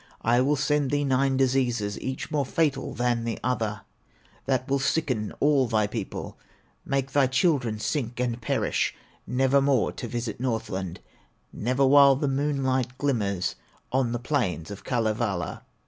I will send thee nine diseases, Each more fatal than the other, That will sicken all thy people, Make thy children sink and perish, Nevermore to visit Northland, Never while the moonlight glimmers On the plains of Kalevala!"